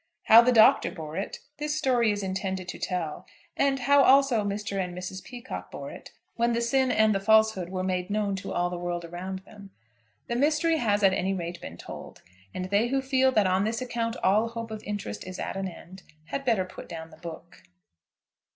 How the Doctor bore it this story is intended to tell, and how also Mr. and Mrs. Peacocke bore it, when the sin and the falsehood were made known to all the world around them. The mystery has at any rate been told, and they who feel that on this account all hope of interest is at an end had better put down the book.